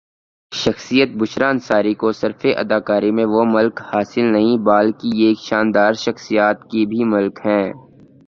شخصیت بشریٰ انصاری کو سرف اداکاری میں وہ ملک حاصل نہیں بال کی یہ ایک شاندرشخصیات کی بھی ملک ہیں